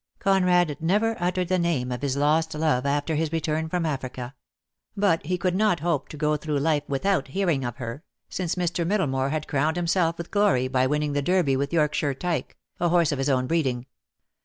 Conrad never uttered the name of his lost love after his return from Africa; but he could not hope to go through life without hearing of her, since Mr. Middlemore had crowned himself with glory by winning the Derby with Yorkshire Tyke, a horse of his own breeding.